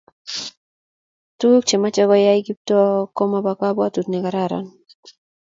Tuguk che mache koyay Kiptoo koma kabwatut ne kararan